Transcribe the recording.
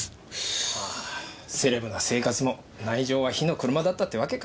セレブな生活も内情は火の車だったってわけか。